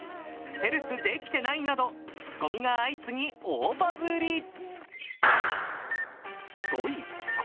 ステルスできてないなどツッコミが相次ぎ大バズり。